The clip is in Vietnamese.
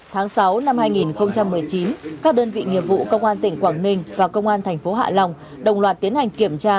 tháng sáu năm hai nghìn một mươi chín các đơn vị nghiệp vụ công an tỉnh quảng ninh và công an thành phố hạ long đồng loạt tiến hành kiểm tra